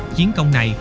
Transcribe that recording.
chiến công này